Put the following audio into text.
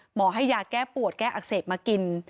หมอให้ยาแก้ปวดแก้อักเสบมากิน